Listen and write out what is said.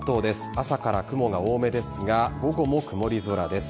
朝から雲が多めですが午後も曇り空です。